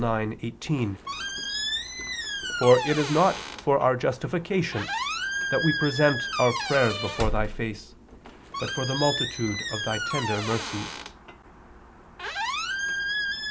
9:18: "For it is not for our justifications that we present our prayers before Thy face, but for the multitude of Thy tender mercies."